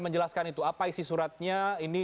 menjelaskan itu apa isi suratnya ini